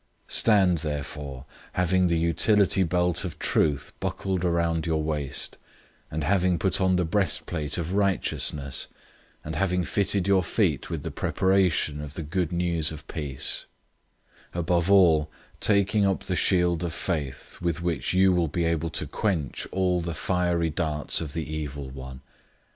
006:014 Stand therefore, having the utility belt of truth buckled around your waist, and having put on the breastplate of righteousness, 006:015 and having fitted your feet with the preparation of the Good News of peace; 006:016 above all, taking up the shield of faith, with which you will be able to quench all the fiery darts of the evil one.